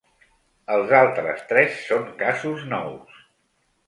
Els altres tres són casos nous.